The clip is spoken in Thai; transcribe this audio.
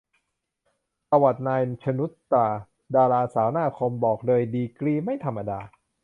ประวัติ นาย ชนุชตรา ดาราสาวหน้าคม บอกเลยดีกรีไม่ธรรมดา